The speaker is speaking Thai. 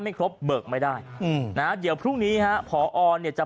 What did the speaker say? ไม่ครบเบิกไม่ได้อืมนะฮะเดี๋ยวพรุ่งนี้ฮะพอเนี่ยจะ